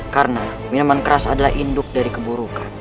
karena minuman keras adalah induk dari keburukan